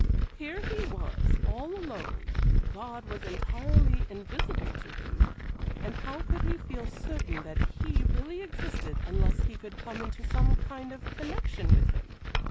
Here he was, all alone; God was entirely invisible to him, and how could he feel certain that He really existed unless he could come into some kind of connection with Him?